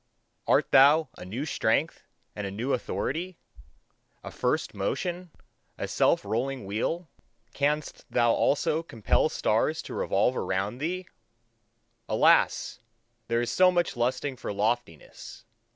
Art thou a new strength and a new authority? A first motion? A self rolling wheel? Canst thou also compel stars to revolve around thee? Alas! there is so much lusting for loftiness!